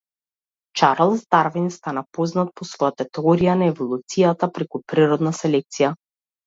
Чарлс Дарвин стана познат по својата теорија на еволуцијата преку природна селекција.